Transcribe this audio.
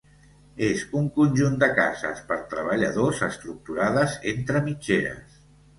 És un conjunt de cases per treballadors estructurades entre mitgeres.